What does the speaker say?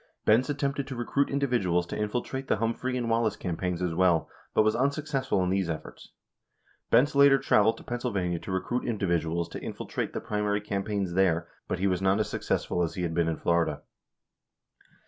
62 Benz attempted to recruit individuals to infiltrate the Humphrey and Wallace campaigns as well, but was unsuccessful in these efforts. Benz later traveled to Pennsylvania to recruit individuals to infiltrate the primary campaigns there, but he was not as successful as he had been in Florida.